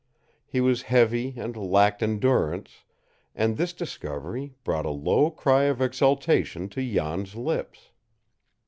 He was heavy and lacked endurance, and this discovery brought a low cry of exultation to Jan's lips.